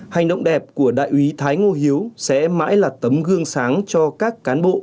hành động đẹp của đại úy thái ngô hiếu sẽ mãi là tấm gương sáng cho các cán bộ